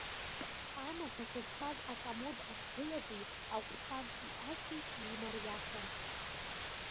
Амаҭәақәа зҭаз акомод ахьгылази агәҭантәи ашәи еимариашан.